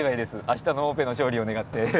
明日のオペの勝利を願って。